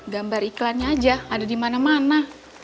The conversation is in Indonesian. gambar iklannya aja ada di mana mana